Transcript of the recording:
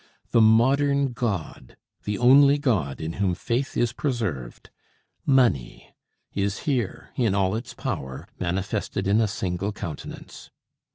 The modern god, the only god in whom faith is preserved, money, is here, in all its power, manifested in a single countenance.